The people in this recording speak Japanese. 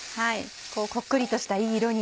こっくりとしたいい色に。